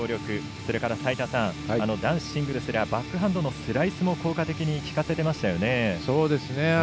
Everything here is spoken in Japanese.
それから男子シングルスではバックハンドのスライスも効果的に効かせていましたよね。